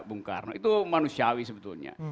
bung karno itu manusiawi sebetulnya